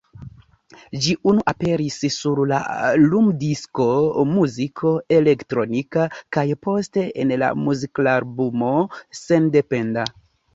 Ĝi unu aperis sur la lumdisko "Muziko Elektronika", kaj poste en la muzikalbumo "Sendependa".